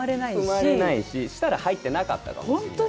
生まれないししたら入ってなかったかもしれないし。